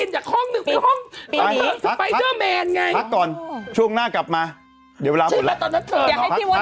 เช่นบ้างตอนนั้นเสียร้าย